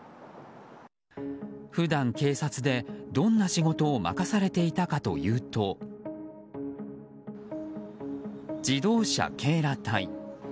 普段、警察でどんな仕事を任されていたかというと自動車警ら隊。